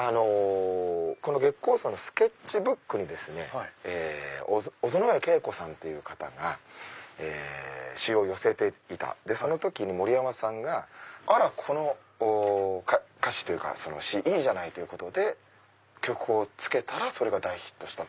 この月光荘のスケッチブックに小薗江圭子さんっていう方が詞を寄せていたその時に森山さんが「あらこの詞いいじゃない」ということで曲をつけたらそれが大ヒットした。